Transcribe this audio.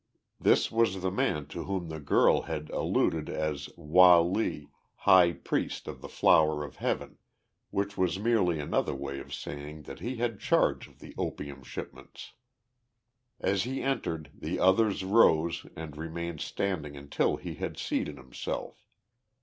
This was the man to whom the girl had alluded as "Wah Lee, High Priest of the Flower of Heaven" which was merely another way of saying that he had charge of the opium shipments. As he entered the others rose and remained standing until he had seated himself.